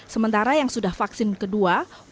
sementara yang sudah vaksin kedua